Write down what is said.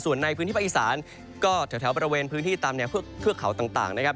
ส่วนในพื้นที่ภาคอีสานก็แถวบริเวณพื้นที่ตามแนวเทือกเขาต่างนะครับ